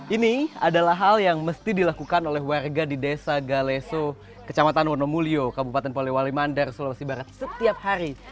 ini adalah hal yang mesti dilakukan oleh warga di desa galeso kecamatan wonomulyo kabupaten polewali mandar sulawesi barat setiap hari